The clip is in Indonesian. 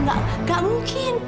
gak gak mungkin